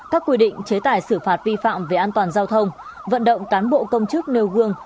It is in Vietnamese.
các quy định chế tài xử phạt vi phạm về an toàn giao thông vận động cán bộ công chức nêu gương